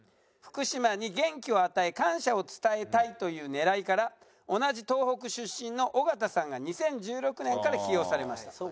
福島に元気を与え感謝を伝えたいという狙いから同じ東北出身の尾形さんが２０１６年から起用されました。